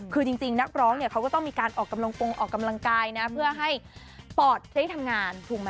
คือจริงนักร้องก็ต้องคอมพิวที่ฝ่ายเปลี่ยนโปรดฉันได้ทำงาน